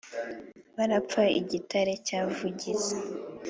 barapfa i gitare cya vugiza